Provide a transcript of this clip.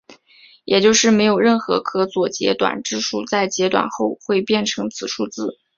也就是没有任何可左截短质数在截短后会变成此数字。